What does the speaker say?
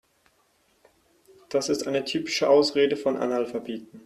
Das ist eine typische Ausrede von Analphabeten.